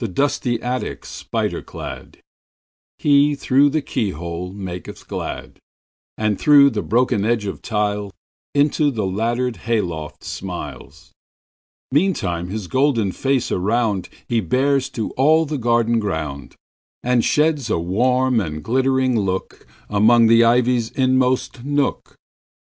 The dusty attic spider cladHe, through the keyhole, maketh glad; And through the broken edge of tiles, Into the laddered hay loft smiles. Meantime his golden face aroundHe bears to all the garden ground, And sheds a warm and glittering lookAmong the ivy's inmost nook.